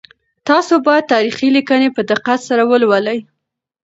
تاسو باید تاریخي لیکنې په دقت سره ولولئ.